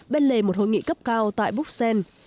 bên lề một hội nghị cấp cao tại buxen